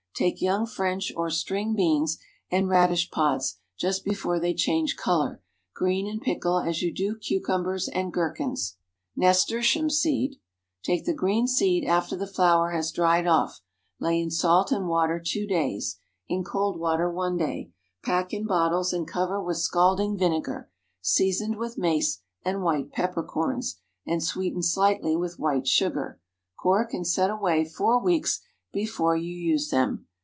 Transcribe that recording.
Take young French or "string" beans, and radish pods just before they change color; green and pickle as you do cucumbers and gherkins. NASTURTIUM SEED. ✠ Take the green seed after the flower has dried off. Lay in salt and water two days, in cold water one day; pack in bottles and cover with scalding vinegar, seasoned with mace and white pepper corns, and sweetened slightly with white sugar. Cork, and set away four weeks before you use them.